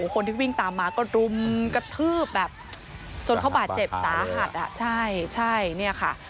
คนที่วิ่งตามมาก็รุมกระทืบแบบจนเขาบาดเจ็บสาหัสอ่ะใช่ใช่เนี่ยค่ะ